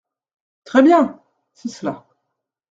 Très bien ! c’est cela.